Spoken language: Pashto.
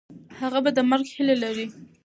هغه به د مرګ هیله لري.